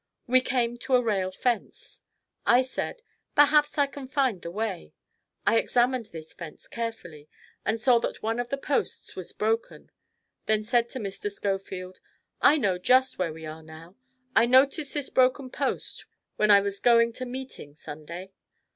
We came to a rail fence. I said "Perhaps I can find the way". I examined this fence carefully and saw that one of the posts was broken, then said to Mr. Scofield, "I know just where we are now. I noticed this broken post when I was going to meeting Sunday."